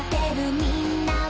「みんなを」